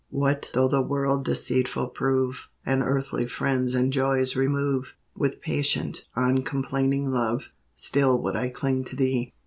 What though the world deceitful prove, And earthly friends and joys remove; With patient, uncomplaining love, Still would I cling to Thee.